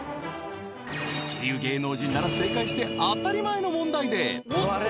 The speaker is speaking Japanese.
一流芸能人なら正解して当たり前の問題で